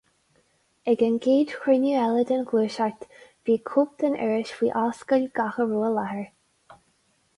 Ag an gcéad chruinniú eile den Ghluaiseacht, bhí cóip den iris faoi ascaill gach a raibh i láthair.